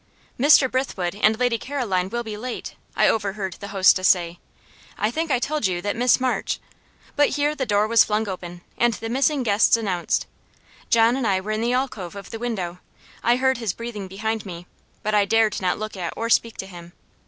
"Mr. Brithwood and Lady Caroline will be late," I overheard the hostess say. "I think I told you that Miss March " But here the door was flung open, and the missing guests announced. John and I were in the alcove of the window; I heard his breathing behind me, but I dared not look at or speak to him.